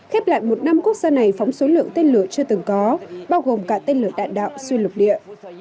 khép lại một năm quốc gia này phóng số lượng tên lửa chưa từng có bao gồm cả tên lửa đạn đạo xuyên lục địa